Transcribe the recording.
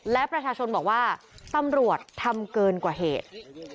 และประชาชนบอกว่าตำรวจทำเกินกว่าเหตุ